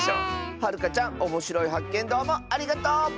はるかちゃんおもしろいはっけんどうもありがとう！